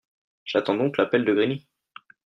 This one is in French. J’attends donc l’appel de Grigny.